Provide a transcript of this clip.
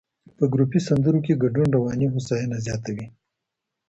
په ګروپي سندرو کې ګډون رواني هوساینه زیاتوي.